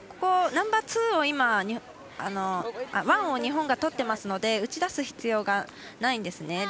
ナンバーワンを日本がとってますので打ち出す必要がないんですね。